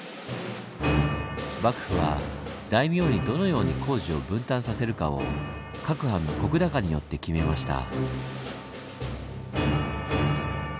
幕府は大名にどのように工事を分担させるかを各藩の石高によって決めました。